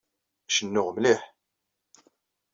Cennuɣ mliḥ.